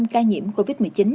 ca nhiễm covid một mươi chín